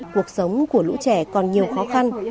cuộc sống của lũ trẻ còn nhiều khó khăn